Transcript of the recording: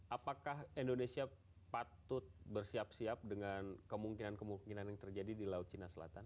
apakah indonesia patut bersiap siap dengan kemungkinan kemungkinan yang terjadi di laut cina selatan